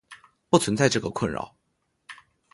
不存在这个困扰。